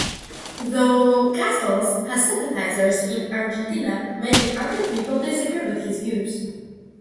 Though Castells has sympathizers in Argentina, many other people disagree with his views.